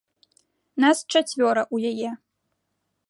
Нас чацвёра ў яе.